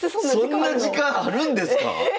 そんな時間あるんですか？